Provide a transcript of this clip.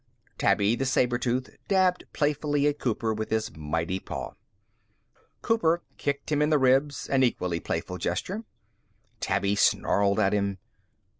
XIII Tabby, the saber tooth, dabbed playfully at Cooper with his mighty paw. Cooper kicked him in the ribs an equally playful gesture. Tabby snarled at him.